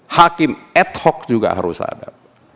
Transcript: hakim ad hoc juga harus ada